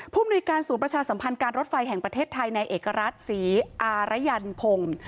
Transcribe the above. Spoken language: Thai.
มนุยการศูนย์ประชาสัมพันธ์การรถไฟแห่งประเทศไทยในเอกรัฐศรีอารยันพงศ์